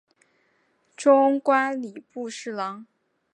终官礼部侍郎。